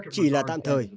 chỉ là tạm thời